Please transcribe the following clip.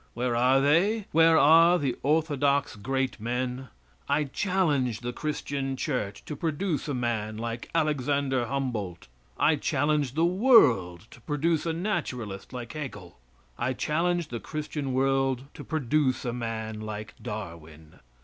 Where are they? Where are the orthodox great men? I challenge the Christian church to produce a man like Alexander Humboldt. I challenge the world to produce a naturalist like Haeckel. I challenge the Christian world to produce a man like Darwin.